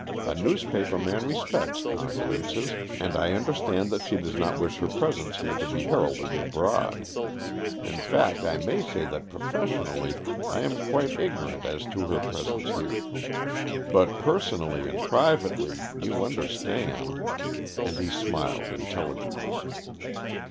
A newspaper man respects confidences, and I understand that she does not wish her presence here to be heralded abroad. In fact, I may say that professionally I am quite ignorant as to her presence here, but personally and privately, you understand, " And he smiled intelligently.